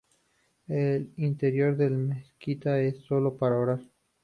El interior de la mezquita es solo para orar.